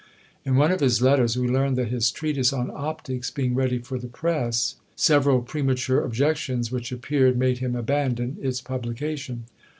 In one of his letters we learn that his "Treatise on Optics" being ready for the press, several premature objections which appeared made him abandon its publication.